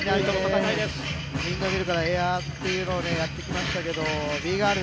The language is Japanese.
ウインドミルからエアーっていう技やってきましたけど、Ｂ−ＧＩＲＬ